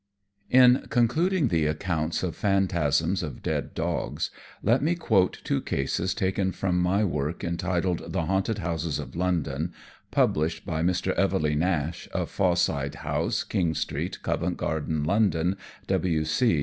'" In concluding the accounts of phantasms of dead dogs, let me quote two cases taken from my work entitled The Haunted Houses of London, published by Mr. Eveleigh Nash, of Fawside House, King Street, Covent Garden, London, W.C.